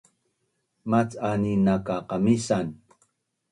Mac’anin nak ka qamisan